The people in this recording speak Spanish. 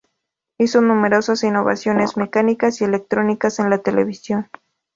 Hizo numerosas innovaciones mecánicas y electrónicas en la televisión.